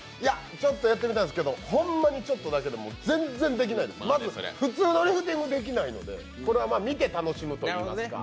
ちょっとやってみたんですけど、ホンマにちょっとだけで全然できないです、まず普通のリフティングできないのでこれは見て楽しむといいますか。